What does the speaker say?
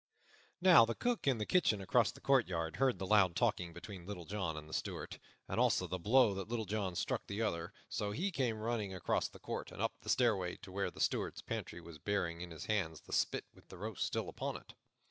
Now the Cook, in the kitchen across the courtyard, heard the loud talking between Little John and the Steward, and also the blow that Little John struck the other, so he came running across the court and up the stairway to where the Steward's pantry was, bearing in his hands the spit with the roast still upon it.